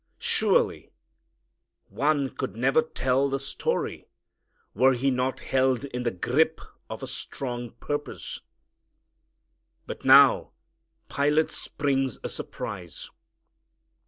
Surely one could never tell the story were he not held in the grip of a strong purpose. But now Pilate springs a surprise.